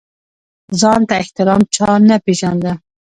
ځان ته احترام چا نه پېژانده.